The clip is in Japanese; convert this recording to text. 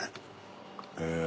へえ。